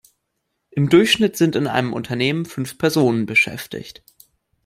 Im Durchschnitt sind in einem Unternehmen fünf Personen beschäftigt.